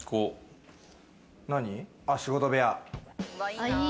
仕事部屋。